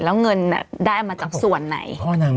แล้วเงินได้มาจากส่วนไหน